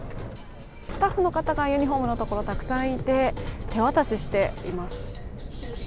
スタッフの方がユニフォームのところにたくさんいて、手渡ししています。